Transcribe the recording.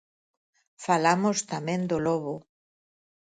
Falamos tamén do lobo.